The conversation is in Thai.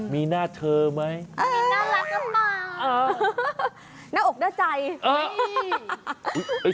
มีน่าเธอไหมมีน่ารักกับมากน่าอกน่าใจ